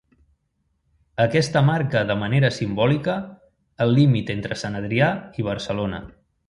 Aquesta marca de manera simbòlica el límit entre Sant Adrià i Barcelona.